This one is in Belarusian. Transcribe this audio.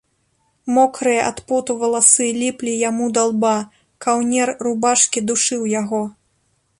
Мокрыя ад поту валасы ліплі яму да лба, каўнер рубашкі душыў яго.